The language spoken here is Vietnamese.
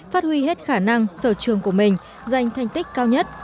phát huy hết khả năng sở trường của mình giành thành tích cao nhất